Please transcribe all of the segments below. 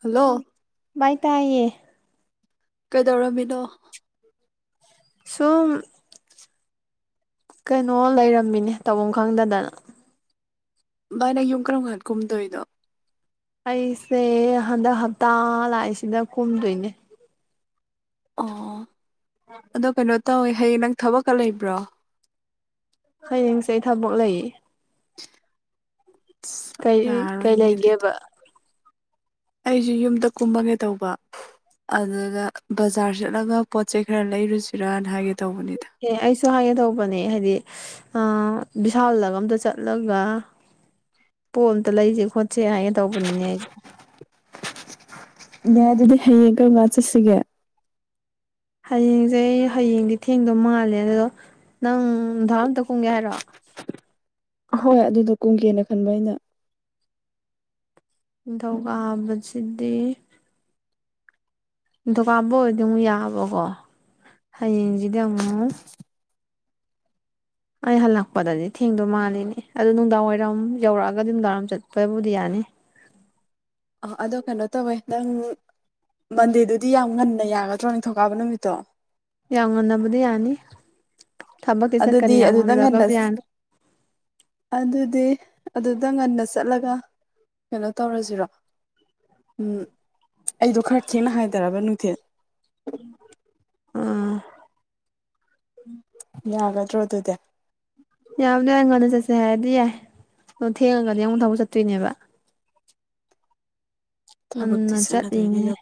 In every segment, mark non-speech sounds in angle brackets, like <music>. hello ꯚꯥꯏ ꯇꯥꯏꯌꯦ ꯀꯩꯗꯧꯔꯝꯃꯤꯅꯣ ꯁꯨꯝ ꯀꯩꯅꯣ ꯂꯩꯔꯝꯃꯤꯅꯦ ꯇꯧꯐꯝ ꯈꯪꯗꯗꯅ ꯚꯥꯏ ꯅꯪ ꯌꯨꯝ ꯀꯔꯝ ꯀꯥꯟ ꯀꯨꯝꯗꯣꯏꯗꯣ ꯑꯩꯁꯦ ꯍꯟꯗꯛ ꯍꯞꯇꯥ ꯂꯥꯛꯏꯁꯤꯗ ꯀꯨꯝꯗꯣꯏꯅꯦ ꯑꯣ ꯑꯗꯣ ꯀꯩꯅꯣ ꯇꯧꯋꯦ ꯍꯌꯦꯡ ꯅꯪ ꯊꯕꯛꯀ ꯂꯩꯕ꯭ꯔꯣ ꯍꯌꯦꯡꯁꯦ ꯑꯩ ꯊꯕꯛ ꯂꯩꯌꯦ ꯑꯁ ꯀꯩ ꯀꯩ ꯌꯥꯔꯔꯣꯏꯅꯦ ꯂꯩꯒꯦꯕ ꯑꯩꯖꯨ ꯌꯨꯝꯗ ꯀꯨꯝꯃꯒꯦ ꯇꯧꯕ ꯑꯗꯨꯗ ꯕꯖꯥꯔ ꯆꯠꯂꯒ ꯄꯣꯠꯆꯩ ꯈꯔ ꯂꯩꯔꯨꯁꯤꯔꯅ ꯍꯥꯏꯒꯦ ꯇꯧꯕꯅꯤꯗ ꯑꯦ ꯑꯩꯁꯨ ꯍꯥꯏꯒꯦ ꯇꯧꯕꯅꯦ ꯍꯥꯏꯗꯤ ꯑꯥ ꯕꯤꯁꯥꯜꯂ ꯑꯝꯇ ꯆꯠꯂꯒ ꯄꯣꯠ ꯑꯝꯇ ꯂꯩꯁꯦ ꯈꯣꯠꯁꯦ ꯍꯥꯏꯒ‌ꯦ ꯇꯧꯕꯅꯤꯅꯦ ꯑꯩꯁꯦ ꯌꯥꯏ ꯑꯗꯨꯗꯤ ꯍꯌꯦꯡ ꯀꯔꯝꯀꯥꯟ ꯆꯠꯁꯤꯒꯦ ꯍꯌꯦꯡꯁꯦ ꯍꯌꯦꯡꯗꯤ ꯊꯦꯡꯗꯣ ꯃꯥꯜꯂꯦ ꯑꯗꯣ ꯅꯪ ꯅꯨꯡꯙꯥ ꯑꯝꯇ ꯀꯨꯝꯒꯦ ꯍꯥꯏꯔꯣ ꯍꯣꯏ ꯑꯗꯨꯗ ꯀꯨꯝꯒꯦꯅ ꯈꯟꯕ ꯑꯩꯅ ꯅꯤꯡꯊꯧ ꯀꯥꯕꯁꯤꯗꯤ ꯅꯤꯡꯊꯧꯀꯥꯕ ꯑꯣꯏꯔꯗꯤ ꯑꯃꯨꯛ ꯌꯥꯕꯀꯣ ꯍꯌꯦꯡꯖꯤꯗꯤ ꯑꯃꯨꯛ ꯑꯩ ꯍꯜꯂꯛꯄꯗꯗꯤ ꯊꯦꯡꯗꯧ ꯃꯥꯜꯂꯤꯅꯦ ꯑꯗꯣ ꯅꯨꯡꯗꯥꯡ ꯋꯥꯏꯔꯝ ꯌꯧꯔꯛꯑꯒꯗꯤ ꯅꯨꯡꯗꯥꯡ ꯋꯥꯏꯔꯝ ꯆꯠꯄꯕꯨꯗꯤ ꯌꯥꯅꯤ ꯑ ꯑꯗꯣ ꯀꯩꯅꯣ ꯇꯧꯋꯦ ꯅꯪ ꯃꯟꯗꯦꯗꯨꯗꯤ ꯌꯥꯝ ꯉꯟꯅ ꯌꯥꯒꯗ꯭ꯔꯣ ꯅꯤꯡꯊꯧꯀꯥꯕ ꯅꯨꯃꯤꯠꯇꯣ ꯌꯥꯝ ꯉꯟꯅꯕꯨꯗꯤ ꯌꯥꯅꯤ ꯊꯕꯛꯇꯤ ꯑꯗꯨꯗꯤ ꯆꯠꯀꯅꯤ ꯌꯥꯝ ꯑꯗꯨꯗ ꯉꯟꯅ ꯉꯜꯂꯒꯕꯨꯗꯤ ꯌꯥꯅꯤ ꯑꯗꯨꯗꯤ ꯑꯗꯨꯗ ꯉꯟꯅ ꯆꯠꯂꯒ ꯀꯩꯅꯣ ꯇꯧꯔꯖꯤꯔꯣ ꯎꯝ ꯑꯩꯗꯣ ꯈꯔ ꯊꯦꯡꯅ ꯍꯥꯏꯗꯔꯕ ꯅꯨꯡꯊꯤꯜ ꯎꯝ ꯌꯥꯒꯗ꯭ꯔꯣ ꯑꯗꯨꯗꯤ ꯌꯥꯕꯗꯤ ꯌꯥꯏ ꯉꯟꯅ ꯆꯠꯁꯦ ꯍꯥꯏꯔꯗꯤ ꯌꯥꯏ ꯑꯗꯨ ꯊꯦꯡꯉꯒꯗꯤ ꯑꯃꯨꯛ ꯊꯕꯛ ꯆꯠꯇꯣꯏꯅꯦꯕ ꯉꯟꯅ ꯊꯕꯛꯇꯤ ꯆꯠꯂꯤꯅꯦ ꯆꯠꯅꯗꯣꯏꯅꯤꯅ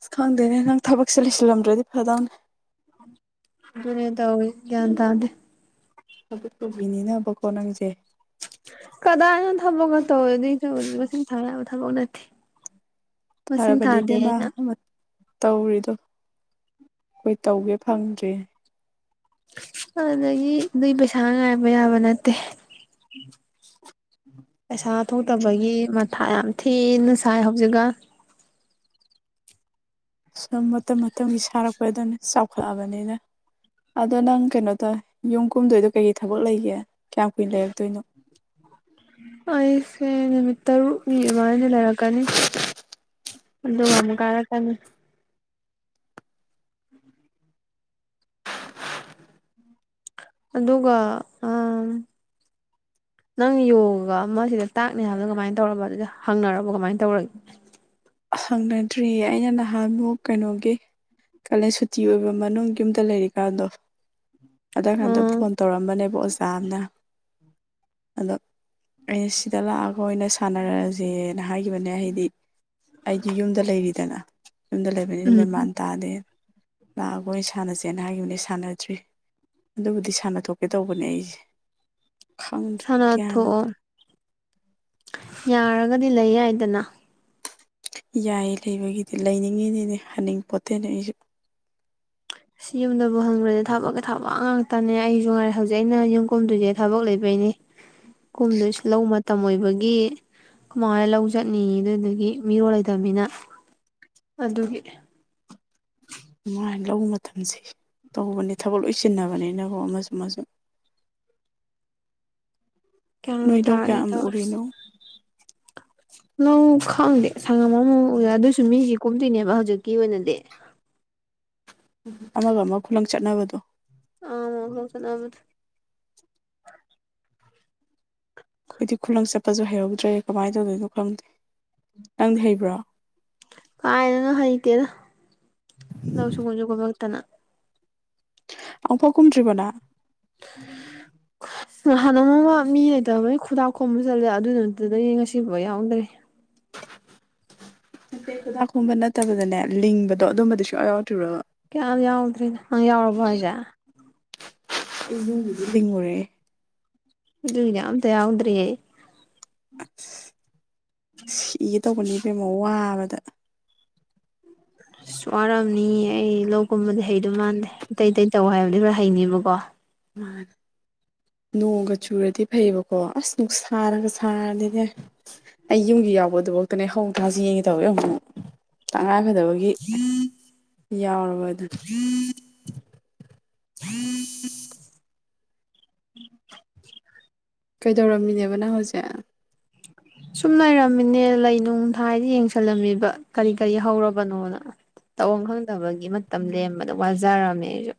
ꯑꯁ ꯈꯪꯗꯦꯅꯦ ꯅꯪ ꯊꯕꯛꯁꯦ ꯂꯩꯁꯤꯜꯂꯝꯗ꯭ꯔꯗꯤ ꯐꯗꯧꯅꯦ ꯑꯗꯨꯅꯦ ꯇꯧꯋꯤꯁ ꯒ꯭ꯌꯥꯟ ꯇꯥꯗꯦ ꯊꯕꯛ ꯇꯧꯕꯤꯅꯤꯅꯕꯀꯣ ꯅꯪꯁꯦ ꯀꯗꯥꯏꯅ‌ꯣ ꯊꯕꯛꯀ ꯇꯧꯋ‌ꯦ <unintelligible> ꯃꯁꯤꯡ ꯊꯥ ꯌꯥꯕ ꯊꯕꯛ ꯅꯠꯇꯦ ꯃꯁꯤꯡ ꯐꯔꯕꯅꯤ ꯊꯥꯗꯦ ꯏꯕꯦꯝꯃ ꯑꯩꯅ <unintelligible> ꯇꯧꯔꯤꯗꯣ ꯑꯩꯈꯣꯏ ꯇꯧꯒꯦ ꯐꯪꯗ꯭ꯔꯦ ꯑꯗꯒꯤ ꯑꯗꯨꯏ ꯄꯩꯁꯥ ꯉꯥꯏꯕ ꯌꯥꯕ ꯅꯠꯇꯦ ꯄꯩꯁꯥ ꯊꯣꯛꯇꯕꯒꯤ ꯃꯊꯥ ꯌꯥꯝ ꯊꯤꯅ ꯁꯥꯏ ꯍꯧꯖꯤꯛꯀꯟ ꯁꯨꯝ ꯃꯇꯝ ꯃꯇꯝꯒꯤ ꯁꯥꯔꯛꯄꯗꯨꯅꯤ ꯆꯥꯎꯈꯠꯂꯕꯅꯤꯅ ꯑꯗꯣ ꯅꯪ ꯀꯩꯅꯣ ꯇꯧꯋ‌ꯦ ꯌꯨꯝ ꯀꯨꯝꯗꯣꯏꯗꯣ ꯀꯩꯀꯩ ꯊꯕꯛ ꯂꯩꯒꯦ ꯀꯌꯥꯝ ꯀꯨꯏꯅ ꯂꯩꯔꯛꯇꯣꯏꯅꯣ ꯑꯩꯁꯦ ꯅꯨꯃꯤꯠ ꯇꯔꯨꯛꯅꯤ ꯑꯗꯨꯃꯥꯏꯅꯗꯤ ꯂꯩꯔꯛꯀꯅꯤ ꯑꯗꯨꯒ ꯃꯨꯛ ꯀꯥꯔꯛꯀꯅꯤ <inaudible> ꯑꯗꯨꯒ ꯑꯥ ꯅꯪ ꯌꯣꯒ ꯑꯃ ꯁꯤꯗ ꯇꯥꯛꯅꯤ ꯍꯥꯏꯕꯗ‌ꯣ ꯀꯃꯥꯏꯅ ꯇꯧꯔꯝꯕ ꯍꯪꯅꯔꯕ ꯀꯃꯥꯏꯅ ꯇꯧꯔꯒꯦ ꯍꯪꯅꯗ꯭ꯔꯤꯌꯦ ꯑꯩꯅ ꯅꯍꯥꯟꯃꯨꯛ ꯀꯩꯅꯣꯒꯤ ꯀꯥꯂꯦꯟ ꯁꯨꯇꯤ ꯑꯣꯏꯕ ꯃꯅꯨꯡ ꯌꯨꯝꯗ ꯂꯩꯔꯤꯀꯥꯟꯗꯣ ꯑꯗꯨꯀꯥꯟꯗ ꯎꯝ ꯐꯣꯟ ꯇꯧꯔꯝꯕꯅꯦꯕ ꯑꯣꯖꯥ ꯑꯝꯅ ꯑꯗꯣ ꯑꯩꯅ ꯁꯤꯗ ꯂꯥꯛꯑꯒ ꯑꯣꯏꯅ ꯁꯥꯟꯅꯔꯖ‌ꯦꯅ ꯍꯥꯏꯈꯤꯕꯅꯦ ꯍꯥꯏꯗꯤ ꯑꯩꯗꯤ ꯌꯨꯝꯗ ꯂꯩꯔꯤꯗꯅ ꯌꯨꯝꯗ ꯂꯩꯕꯅꯤꯅ ꯎꯝ ꯃꯦꯟꯃꯥꯟ ꯇꯥꯗ‌ꯦ ꯂꯥꯛꯑꯒ ꯑꯣꯏ ꯁꯥꯟꯅꯁꯦꯅ ꯍꯥꯏꯈꯤꯕꯅꯦ ꯁꯥꯟꯅꯗ꯭ꯔꯤ ꯑꯗꯨꯕꯨꯗꯤ ꯁꯥꯟꯅ ꯊꯣꯛꯀꯦ ꯇꯧꯕꯅꯦ ꯑꯩꯁꯦ ꯈꯪꯗ꯭ꯔꯦ ꯁꯥꯟꯅ ꯒ꯭ꯌꯥꯟ ꯊꯣꯛꯑꯣ ꯌꯥꯔꯒꯗꯤ ꯂꯩ ꯌꯥꯏꯗꯅ ꯌꯥꯏ ꯂꯩꯕꯒꯤꯗꯤ ꯂꯩꯅꯤꯡꯉꯤꯅꯤꯅꯦ ꯍꯟꯅꯤꯡ ꯄꯣꯠꯇꯦꯅꯦ ꯑꯩꯁꯨ ꯁꯤ ꯌꯨꯝꯗꯕꯨ ꯍꯪꯉꯨꯔꯗꯤ ꯊꯕꯛꯀꯤ ꯊꯕꯛ ꯉꯥꯛꯇꯅꯦ ꯑꯩꯁꯨ ꯉꯥꯏ ꯍꯧꯖꯤꯛ ꯑꯩꯅ ꯌꯨꯝ ꯀꯨꯝꯗꯨꯏꯖ‌ꯦ ꯊꯕꯛ ꯂꯩꯕꯩꯅꯤ ꯀꯨꯝꯗ‌ꯣꯏꯁ ꯂꯧ ꯃꯇꯝ ꯑꯣꯏꯕꯒꯤ ꯈ‌ꯣꯏꯃꯥꯍ‌ꯣꯏ ꯂꯧ ꯆꯠꯅꯤ ꯑꯗꯨꯗꯨꯒꯤ ꯃꯤꯔꯣꯜ ꯂꯩꯇꯕꯅꯤꯅ ꯑꯗꯨꯒꯤ ꯏꯃꯥꯏ ꯂꯧ ꯃꯇꯝꯁ‌ꯦ ꯇꯧꯕꯅꯤ ꯊꯕꯛ ꯂꯣꯏ ꯆꯤꯟꯅꯕꯅꯤꯅꯀꯣ ꯑꯃꯁꯨ ꯑꯃꯁꯨ ꯒ꯭ꯌꯥꯟ ꯅꯣꯏ ꯃꯦꯟ ꯂꯧ ꯇꯥꯗꯦ ꯀꯌꯥꯝ ꯇꯧꯔꯤꯁꯦ ꯎꯔꯤꯅꯣ ꯂꯧ ꯈꯪꯗꯦ ꯁꯪꯉꯝ ꯑꯃꯃꯨꯛ ꯎꯏꯔ ꯑꯗꯨꯏꯁꯨ ꯃꯤꯒꯤ ꯀꯨꯝꯗꯨꯏꯅꯦꯕ ꯍꯧꯖꯤꯛꯀꯤ ꯑꯣꯏꯅꯗꯤ ꯑꯃꯒ ꯑꯃ ꯈꯨꯂꯪ ꯆꯠꯅꯕꯗꯣ ꯑ ꯑꯃꯨꯛꯈꯛ ꯆꯠꯅꯕꯊꯨ ꯑꯩꯈꯣꯏꯗꯤ ꯈꯨꯂꯪ ꯆꯠꯄꯁꯨ ꯍꯩꯍꯧꯗ꯭ꯔꯦ ꯀꯃꯥꯏ ꯇꯧꯗꯣꯏꯅꯣ ꯈꯪꯗꯦ ꯅꯪꯗꯤ ꯍꯩꯕ꯭ꯔꯣ ꯀꯥꯏꯗꯩꯅꯣ ꯍꯩꯇꯦꯅ ꯂꯧꯁꯨ ꯀꯨꯃꯁꯨ ꯀꯨꯝꯂꯛꯇꯅ ꯑꯪꯐꯥꯎ ꯀꯨꯝꯗ꯭ꯔꯤꯕꯣꯅ <inaudible> <inaudible> ꯉꯥꯍꯥꯟ ꯅꯣꯡꯃꯥ ꯃꯤ ꯂꯩꯇꯥꯕꯩ ꯈꯨꯗꯥꯛ ꯈꯣꯝꯕ ꯆꯠꯂꯦ ꯑꯗꯨꯗꯨꯗꯒꯤ ꯉꯁꯤꯐꯥꯎ ꯌꯥꯎꯗ꯭ꯔꯤ ꯈꯨꯗꯥꯛꯈꯣꯝꯕ ꯅꯠꯇꯕꯗꯅꯦ ꯂꯤꯡꯕꯗꯣ ꯑꯗꯨꯝꯕꯗꯤ ꯁꯨꯡꯌꯥ ꯌꯥꯎꯗꯔꯤꯕꯔꯕꯥ ꯀꯌꯥꯝ ꯌꯥꯎꯗ꯭ꯔꯤꯅ ꯅꯪ ꯌꯥꯎꯔꯕꯣ ꯍꯥꯏꯁꯦ ꯑꯩ ꯌꯨꯝꯒꯤꯗꯤ ꯂꯤꯡꯉꯨꯔꯦ ꯑꯗꯨꯏꯅꯦ ꯑꯃꯇꯥ ꯌꯥꯎꯗ꯭ꯔꯤꯌꯦ ꯑꯁ ꯁꯤꯒꯦ ꯇꯧꯕꯅꯦ ꯏꯕꯦꯝꯃ ꯋꯥꯕꯗ <inaudible> ꯑꯁ ꯋꯥꯔꯝꯅꯤ ꯑꯩ ꯂꯧꯀꯨꯝꯕꯗꯤ ꯍꯩꯗꯨ ꯃꯥꯟꯗꯦ ꯑꯇꯩ ꯑꯇꯩ ꯇꯧ ꯍꯥꯏꯕꯗꯤ ꯂꯣꯏ ꯍꯩꯅꯤꯕꯀꯣ ꯃꯥꯅꯦ ꯅꯣꯡꯒ ꯆꯨꯔꯗꯤ ꯐꯩꯕꯀꯣ ꯑꯁ ꯅꯨꯡꯁꯥꯅꯥꯒ ꯁꯥꯔꯗꯤꯅꯦ ꯑꯩ ꯌꯨꯝꯒꯤ ꯌꯥꯎꯕ ꯗꯨꯕꯧꯇꯥꯅꯦ ꯍꯧ ꯊꯥ ꯆꯦꯟꯒꯦ ꯇꯧꯋꯦ ꯑꯃꯨꯛ ꯑꯃꯨꯛ ꯇꯉꯥꯏꯐꯗꯕꯒꯤ ꯌꯥꯎꯔꯕꯗꯨꯅꯤ <inaudible> <inaudible> ꯀꯩꯗꯧꯔꯝꯃꯤꯅꯦꯕ ꯅꯪ ꯍꯧꯖꯤꯛ ꯁꯨꯝ ꯂꯩꯔꯝꯃꯤꯅꯦ ꯂꯩ ꯅꯨꯡ ꯊꯥꯏꯁꯦ ꯌꯦꯡꯁꯜꯂꯝꯃꯤꯕ ꯀꯔꯤ ꯀꯔꯤ ꯍꯧꯔꯕꯅꯣꯅ ꯇꯧꯐꯝ ꯈꯪꯗꯕꯒꯤ ꯃꯇꯝ ꯂꯦꯟꯕꯗ ꯋꯥꯖꯔꯝꯃꯦ ꯑꯩꯁꯨ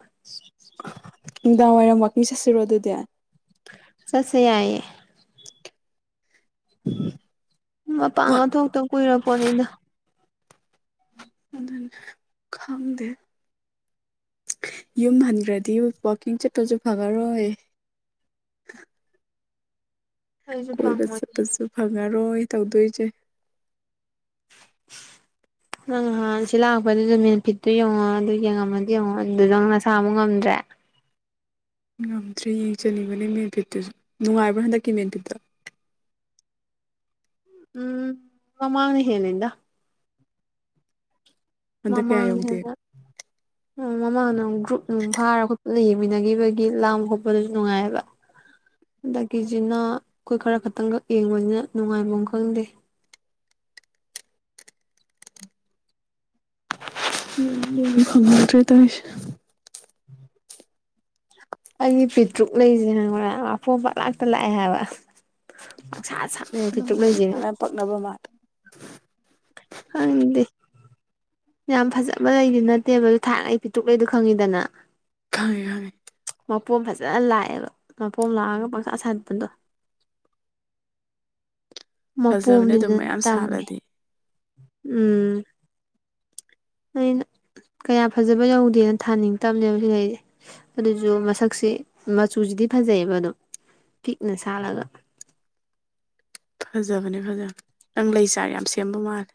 ꯅꯨꯡꯗꯥꯡ ꯋꯥꯏꯔꯝ ꯋꯥꯀꯤꯡ ꯆꯠꯁꯤꯔꯣ ꯑꯗꯨꯗꯤ ꯆꯠꯁꯦ ꯌꯥꯏꯌꯦ <inaudible> ꯃꯄꯥꯟꯒꯥ ꯊꯣꯛꯇ ꯀꯨꯏꯔꯄꯣꯅꯤꯗ ꯑꯗꯨꯅꯦ ꯈꯪꯗꯦ ꯌꯨꯝ ꯍꯟꯈ꯭ꯔꯗꯤ ꯋꯥꯛꯀꯤꯡ ꯆꯠꯄꯁꯨ ꯐꯪꯉꯔꯣꯏ ꯑꯩꯁꯨ ꯀꯣꯏꯕ ꯄꯥꯝꯃꯣꯏꯗ ꯆꯠꯄꯁꯨ ꯐꯪꯉꯔꯣꯏ ꯇꯧꯗꯣꯏꯁꯦ <inaudible> ꯅꯪ ꯅꯍꯥꯟ ꯁꯤ ꯂꯥꯛꯄꯗꯨꯁꯨ ꯃꯦꯟꯐꯤꯠꯇꯣ ꯌꯦꯡꯉꯣ ꯑꯗꯨ ꯌꯦꯡꯉꯝꯃꯗꯤ ꯌꯦꯡꯉꯣ ꯑꯗꯨ ꯅꯪ ꯅꯁꯥꯥ ꯑꯃꯨꯛ ꯉꯝꯗ꯭ꯔꯦ ꯉꯝꯗ꯭ꯔꯦ ꯌꯦꯡ ꯆꯅꯤꯡꯕꯅꯦ ꯃꯦꯟ ꯐꯤꯠꯇꯨꯁꯨ ꯅꯨꯡꯉꯥꯏꯕ꯭ꯔꯣ ꯍꯟꯗꯛꯀꯤ ꯃꯦꯟꯐꯤꯠꯇꯣ ꯎꯝ ꯃꯃꯥꯥꯡꯅꯥ ꯍꯦꯜꯂꯤꯗ ꯍꯟꯗꯛ ꯀꯌꯥ ꯃꯃꯥꯡ ꯍꯦꯟꯅꯥ <inaudible> ꯎꯝ ꯃꯃꯥꯡꯅ ꯒ꯭ꯔꯨꯞ ꯅꯨꯡ ꯐꯥꯔ ꯈꯣꯠꯄꯗ ꯌꯦꯡꯃꯤꯟꯅꯈꯤꯕꯒꯤ ꯂꯥꯡꯕ ꯈꯣꯠꯄꯗꯁꯨ ꯅꯨꯡꯉꯥꯏꯑꯌꯦꯕ ꯍꯟꯗꯛꯀꯤꯖꯤꯅꯥ ꯈꯣꯏ ꯈꯔ ꯈꯛꯇꯪꯒ ꯌꯦꯡꯕꯅꯤꯅ ꯅꯨꯡꯉꯥꯏꯕꯝ ꯈꯪꯗꯦ <unintelligible> ꯐꯪꯒꯗ꯭ꯔ ꯇꯧꯏꯁꯦ ꯑꯩꯒꯤ ꯄꯤꯇ꯭ꯔꯨꯛ ꯂꯩꯁꯦ ꯍꯪꯉꯨꯔ ꯑꯄꯣꯝꯕ ꯂꯥꯛꯇ ꯂꯥꯛꯑꯦ ꯍꯥꯏꯕ ꯄꯪꯁꯥ ꯁꯥ ꯅꯪꯕꯨ ꯎꯏꯊꯔꯥ ꯄꯛꯅꯕ ꯃꯥꯜ ꯈꯪꯗꯦ ꯌꯥꯝ ꯐꯖꯕ ꯂꯩꯒꯤ ꯅꯠꯇꯦꯕ ꯊꯥꯛꯅꯩ ꯄꯤꯛꯇꯔꯨꯛ ꯂꯩꯗꯨ ꯈꯪꯉꯤꯗꯅ ꯈꯪꯉꯦ ꯈꯪꯉꯦ ꯃꯄꯣꯝ ꯐꯖꯅ ꯂꯥꯛꯑꯦꯕ ꯃꯄꯣꯝ ꯂꯥꯛꯑꯒ ꯄꯪꯁꯥ ꯁꯥꯠꯄꯗꯣ ꯐꯖꯕꯅꯦ ꯃꯄꯣꯝꯗꯤ ꯑꯗꯨꯝ ꯐꯖꯅ ꯃꯌꯥꯝ ꯇꯝꯃꯦ ꯁꯥꯠꯂꯗꯤ ꯎꯝ ꯑꯩꯅ ꯀꯌꯥ ꯐꯖꯕ ꯌꯧꯗꯦꯅ ꯊꯥꯅꯤꯡꯇꯕꯅꯦꯕ ꯁꯤ ꯂꯩꯁꯦ ꯑꯗꯨꯁꯨ ꯃꯁꯛꯁꯦ ꯃꯆꯨꯁꯤꯗꯤ ꯐꯖꯩꯑꯕ ꯑꯗꯨꯝ ꯄꯤꯛꯅ ꯁꯥꯠꯂꯒ ꯐꯖꯕꯅꯦ ꯐꯖꯕꯅꯦ ꯅꯪ ꯂꯩ ꯆꯥꯔ ꯌꯥꯝ ꯁꯦꯝꯕ ꯃꯥꯜꯂꯦ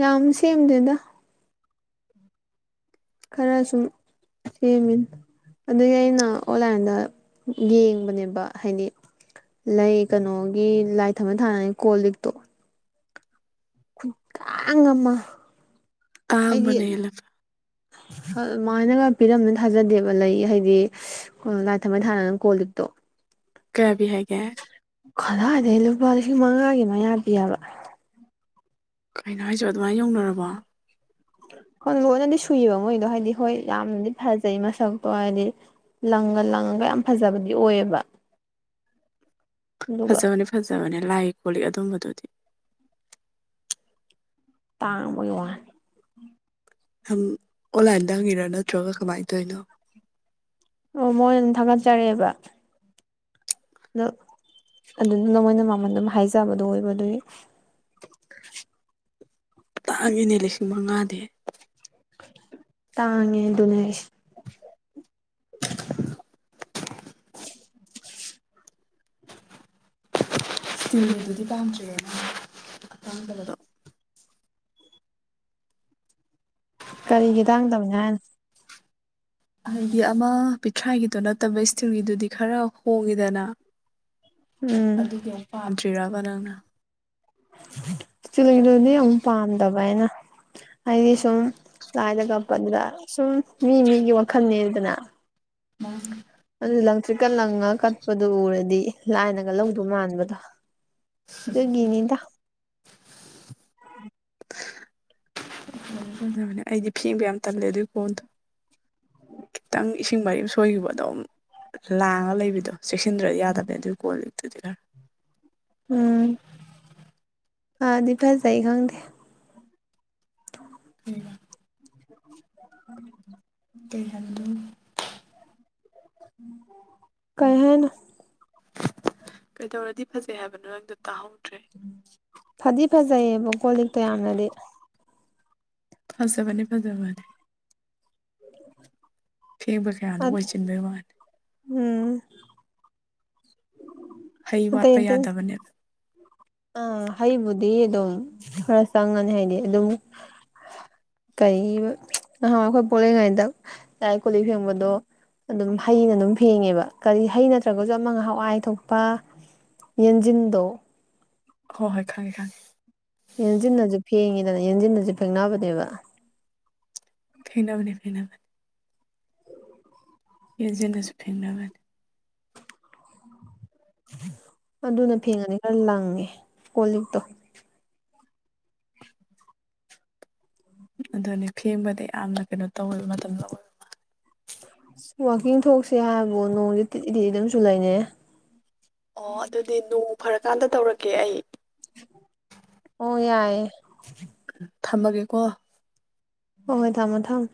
ꯌꯥꯝ ꯁꯦꯝꯗꯦꯗ ꯈꯔ ꯁꯨꯝ ꯁꯦꯝꯃꯤꯅ ꯑꯗꯨꯒꯤ ꯑꯩꯅ ꯑꯣꯟꯂꯥꯏꯟꯗ ꯌꯦꯡꯕꯅꯦꯕ ꯍꯥꯏꯗꯤ ꯂꯩ ꯀꯩꯅꯣꯒꯤ ꯂꯥꯏ ꯊꯝꯝꯕꯟ ꯊꯥꯅꯉ ꯀꯣꯜ ꯂꯤꯛꯇꯣ ꯈꯨꯀꯥꯡ ꯑꯃ ꯍꯥꯏꯗꯤ ꯇꯥꯡꯕꯅ ꯍꯦꯜꯂꯦ ꯑꯗꯨꯃꯥꯏꯅꯒ ꯄꯤꯔꯝꯅꯤꯅ ꯊꯥꯖꯗꯦꯕ ꯂꯩ ꯍꯥꯏꯗꯤ ꯑꯣ ꯂꯥꯏ ꯊ ꯃ ꯊꯙꯅꯅ ꯀꯣꯜꯠꯇꯣ ꯀꯌꯥꯕꯤ ꯍꯥꯏꯒꯦ ꯀꯗꯥꯏꯗꯒꯤꯩ ꯂꯨꯄꯥ ꯂꯤꯁꯤꯡ ꯃꯉꯥꯒꯤ ꯃꯌꯥ ꯄꯤꯑꯕ ꯀꯩꯅꯣ ꯍꯥꯏꯁ ꯑꯗꯨꯃꯥꯏꯅ ꯌꯧꯅꯔꯕ ꯍꯣꯟ ꯂꯣꯟꯅꯗꯤ ꯁꯨꯏꯑꯕ ꯃꯣꯏꯗꯣ ꯍꯥꯏꯗꯤ ꯍꯣꯏ ꯌꯥꯝꯅꯗꯤ ꯐꯖꯩ ꯃꯁꯛꯇꯣ ꯍꯥꯏꯗꯤ ꯂꯪꯉ ꯂꯪꯉꯒ ꯌꯥꯝ ꯐꯖꯕꯗꯤ ꯑꯣꯏꯌꯦꯕ ꯑꯗꯨꯒ ꯐꯖꯕꯅꯤ ꯐꯖꯕꯅꯦ ꯂꯥꯏ ꯈꯣꯠꯂꯤ ꯑꯗꯨꯝꯕꯗꯨꯗꯤ ꯇꯥꯡꯕꯩ ꯋꯥꯅꯤ ꯁꯝ ꯑꯣꯟꯂꯥꯏꯟꯗ ꯍꯪꯉꯤꯔ ꯅꯠꯇ꯭ꯔꯒ ꯀꯃꯥꯏꯅ ꯇꯧꯔꯤꯅꯣ ꯑꯣ ꯃꯣꯏ ꯑꯗꯨꯝ ꯊꯥꯒꯠꯆꯔꯛꯑꯦꯕ ꯑꯗꯣ ꯑꯗꯨꯗꯅ ꯃꯣꯏꯅ ꯃꯃꯜ ꯑꯗꯨꯝ ꯍꯥꯏꯖꯕꯗꯨ ꯑꯣꯏꯕꯗꯨꯒꯤ ꯆꯥꯛꯉꯅꯦ ꯂꯤꯁꯤꯡ ꯃꯉꯥꯗꯤ ꯇꯥꯡꯉꯦ ꯗꯨꯅꯦꯁ <unintelligible> ꯏꯁꯇꯤꯜꯒꯤꯗꯨꯗꯤ ꯄꯥꯝꯗ꯭ꯔꯤꯦꯅ ꯑꯇꯥꯡ ꯀꯩꯅꯗꯣ ꯀꯔꯤꯒꯤ ꯇꯥꯡꯗꯕꯅꯤ ꯍꯥꯏꯅ ꯍꯥꯏꯗꯤ ꯑꯃ ꯄꯤꯊ꯭ꯔꯥꯒꯤꯗꯣ ꯅꯠꯇꯕ ꯏꯁꯇꯤꯜꯒꯤꯗꯨꯗꯤ ꯈꯔ ꯍꯣꯡꯉꯤꯗꯅ ꯎꯝ ꯑꯗꯨꯒꯤ ꯑꯃ ꯄꯥꯝꯗ꯭ꯔꯕ ꯅꯪꯅ ꯆ ꯆ ꯂꯩꯗꯅꯦ ꯌꯥꯝꯨꯛ ꯄꯥꯝꯗꯕ ꯍꯥꯏꯅ ꯍꯥꯏꯗꯤ ꯁꯨꯝ ꯂꯥꯏꯗ ꯀꯞꯄꯗꯨꯗ ꯁꯨꯝ ꯃꯤ ꯃꯤꯒꯤ ꯋꯥꯈꯜꯅꯦꯗꯅ ꯃꯥ ꯑꯗꯨ ꯂꯪꯇ꯭ꯔꯤꯛꯀ ꯂꯪꯉꯒ ꯀꯠꯄꯗꯨꯣ ꯎꯔꯗꯤ ꯂꯥꯏꯅꯒ ꯂꯧꯗꯧ ꯃꯥꯟꯕꯗꯣ ꯇꯒꯅꯤꯗ ꯕꯅꯦ ꯑꯩꯗꯤ ꯐꯦꯡꯕ ꯌꯥꯝ ꯇꯝꯂꯦ ꯑꯗꯨꯒꯤ ꯀꯣꯟꯗꯣ ꯈꯤꯇꯪ ꯏꯁꯤꯡ ꯃꯔꯤ ꯁꯣꯏꯈꯤꯕꯗꯣ ꯑꯃ ꯂꯥꯡꯉꯒ ꯂꯩꯕꯤꯗꯣ ꯆꯦꯛꯁꯤꯟꯗ꯭ꯔꯗꯤ ꯌꯥꯗꯕꯅꯦ ꯑꯗꯨꯒꯤ ꯀꯣꯜ ꯂꯤꯛꯇꯨꯗꯤ ꯈꯔ ꯎꯝ ꯑꯗꯤ ꯐꯖꯩ ꯈꯪꯗꯦ ꯎ ꯎꯝ ꯀꯩꯍꯟꯗꯣ ꯀꯩꯦꯅ ꯀꯩꯗꯧꯔꯗꯤ ꯐꯖꯩ ꯍꯥꯏꯕꯅꯣ ꯅꯪꯗꯣ ꯇꯥꯍꯧꯗ꯭ꯔꯦ ꯐꯗꯤ ꯐꯖꯩꯌꯦꯕ ꯀꯣꯜ ꯂꯤꯛꯇꯣ ꯌꯥꯝꯅꯗꯤ ꯐꯖꯕꯅꯦ ꯐꯖꯕꯅꯦ <unintelligible> ꯐꯦꯡꯕ ꯀꯌꯥꯗꯣ ꯑꯣꯏꯁꯤꯟꯕꯒꯤ ꯃꯥꯜꯂꯜꯂꯤ ꯎꯝ ꯍꯩ ꯋꯥꯠꯄ ꯌꯥꯗꯕꯅꯦꯕ ꯑ ꯍꯩꯕꯨꯗꯤ ꯑꯗꯨꯝ ꯈꯔ ꯆꯪꯉꯅꯤ ꯍꯥꯏꯗꯤ ꯑꯗꯨꯝ ꯀꯩ ꯑ ꯑꯩꯈꯣꯏ ꯄꯨꯣꯂꯉꯩꯗ ꯆꯥꯏ ꯀꯣꯂꯤꯛ ꯐꯦꯡꯕꯗꯣ ꯑꯗꯨꯝ ꯍꯩꯅ ꯑꯗꯨꯝ ꯐꯦꯡꯉꯦꯕ ꯀꯔꯤ ꯍꯩ ꯅꯠꯇ꯭ꯔꯒꯁꯨ ꯑꯃꯒ ꯍꯥꯟꯋꯥꯏ ꯊꯣꯛꯄ ꯌꯦꯟꯁꯤꯟꯗꯣ ꯍꯣ ꯍꯣꯏ ꯈꯪꯉꯦ ꯈꯪꯉꯦ ꯌꯦꯟꯖꯤꯟꯅꯖꯨ ꯐꯦꯡꯉꯤꯗꯅ ꯌꯦꯟꯖꯤꯟꯅꯁꯨ ꯐꯦꯡꯅꯕꯅꯦꯕ ꯐꯦꯡꯅꯕꯅꯦ ꯐꯦꯡꯅꯕꯅꯦ ꯌꯦꯡꯖꯥꯟꯅꯁꯨ ꯐꯦꯡꯅꯕꯅꯤ ꯑꯗꯨꯅ ꯐꯦꯡꯉꯗꯤ ꯈꯔ ꯂꯪꯉꯦ ꯀꯣꯂꯤꯛꯇꯣ ꯑꯗꯨꯅꯦ ꯐꯦꯡꯕꯗ ꯌꯥꯝꯅ ꯀꯩꯅꯣ ꯇꯧꯋꯦꯕ ꯃꯇꯝ ꯂꯧꯋꯦꯕ ꯏꯁ ꯋꯥꯛꯀꯤꯡ ꯊꯣꯛꯁꯦ ꯍꯥꯏꯕꯕꯨ ꯅꯣꯡꯖꯦ ꯇꯤꯠꯂꯤ ꯇꯤꯠꯂꯤ ꯑꯗꯨꯝ ꯆꯨ ꯂꯩꯔꯩ ꯑꯣ ꯑꯗꯨꯗꯤ ꯅꯣꯡ ꯐꯔꯀꯥꯟꯗ ꯇꯧꯔꯛꯀꯦ ꯑꯩ ꯑꯣ ꯌꯥꯏꯌꯦ ꯊꯝꯃꯒꯦꯀꯣ ꯍꯣ ꯍꯣꯏ ꯊꯝꯃꯣ ꯊꯝꯃꯣ